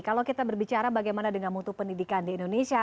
kalau kita berbicara bagaimana dengan mutu pendidikan di indonesia